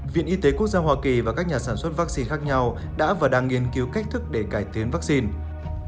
viện y tế quốc gia hoa kỳ và các nhà sản xuất vaccine khác nhau đã và đang nghiên cứu cách thức để cải tiến vaccine